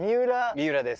三浦です。